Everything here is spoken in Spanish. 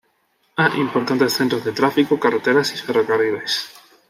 Hay importantes centros de tráfico, carreteras y ferrocarriles.